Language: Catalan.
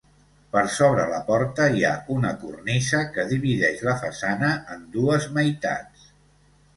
Per sobre la porta hi ha una cornisa que divideix la façana en dues meitats.